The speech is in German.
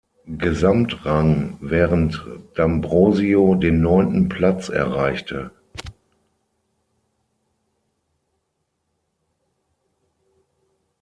Gesamtrang, während D’Ambrosio den neunten Platz erreichte.